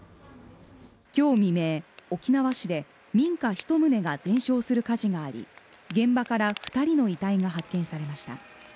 今日未明、沖縄市で民家１棟が全焼する火事があり、現場から２人の遺体が発見されました。